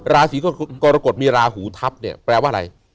ราศีกรกฎมีราหูทัพเนี่ยแปลว่าอะไร